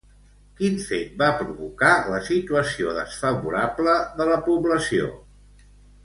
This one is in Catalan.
Quin fet va provocar la situació desfavorable de la població?